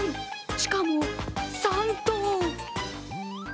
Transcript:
しかも３頭。